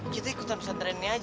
kita ikutan pesantren ini aja